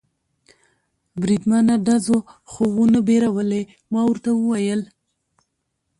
بریدمنه، ډزو خو و نه بیرولې؟ ما ورته وویل.